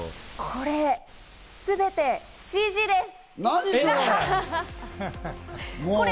これ、すべてＣＧです。